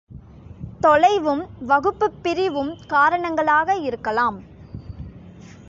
தொலைவும், வகுப்புப் பிரிவும் காரணங்களாக இருக்கலாம்.